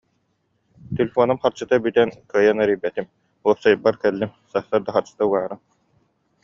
«Телефонум харчыта бүтэн кыайан эрийбэтим, уопсайбар кэллим, сарсыарда харчыта угаарыҥ»